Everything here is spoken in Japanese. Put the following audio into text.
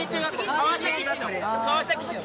川崎市。